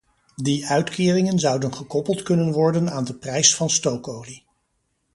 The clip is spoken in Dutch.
Die uitkeringen zouden gekoppeld kunnen worden aan de prijs van stookolie.